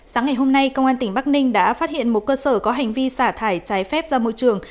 sáng ngày hôm nay công an tỉnh bắc ninh đã phát hiện một cơ sở có hành vi xả thải trái phép ra môi trường